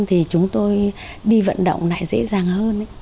thì chúng tôi đi vận động lại dễ dàng hơn